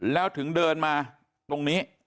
แล้วถึงเดินมาตรงนี้